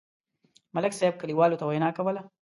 ملک صاحب کلیوالو ته وینا کوله.